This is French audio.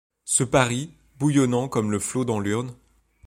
Ce Paris, . bouillonnant comme le flot dans l'urne